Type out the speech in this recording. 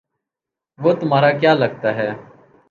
وہ تمہارا کیا لگتا ہے؟